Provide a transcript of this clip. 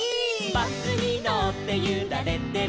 「バスにのってゆられてる」